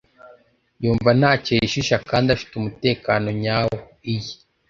yumva ntacyo yishisha kandi afite umutekano nyawo. iyi